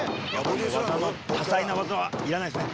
多彩な技はいらないですね。